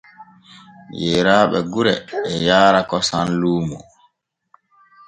Yeeraaɓe gure e yaara kosam luumo.